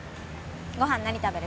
ご飯何食べる？